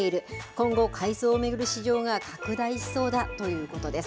今後、海藻を巡る市場が拡大しそうだということです。